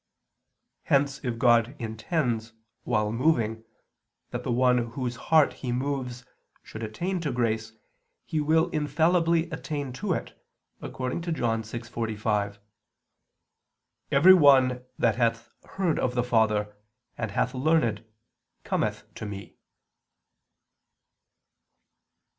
Hence if God intends, while moving, that the one whose heart He moves should attain to grace, he will infallibly attain to it, according to John 6:45: "Every one that hath heard of the Father, and hath learned, cometh to Me."